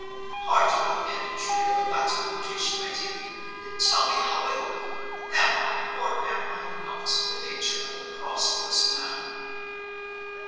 _ Pardon the pedantry of a Latin quotation, my dear, and tell me how I look. Am I, or am I not, the picture of a prosperous man?"